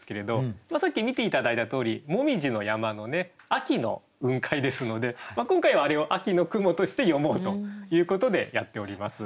さっき見て頂いたとおり紅葉の山の秋の雲海ですので今回はあれを「秋の雲」として詠もうということでやっております。